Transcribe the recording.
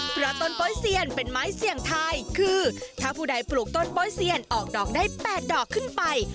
เพราะต้นโป้ยเซียนเป็นไม้เสี่ยงทายคือถ้าผู้ใดปลูกต้นโป้ยเซียนออกดอกได้๘ดอกขึ้นไป